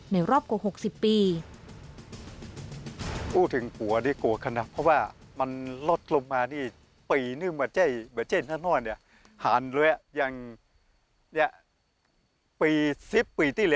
ในรอบกว่าหกสิบปี